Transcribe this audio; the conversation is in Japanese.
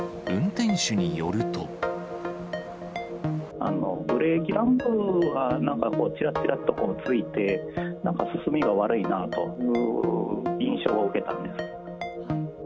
さらに、ブレーキランプはなんかちらっちらっとついて、なんか進みが悪いなという印象を受けたんです。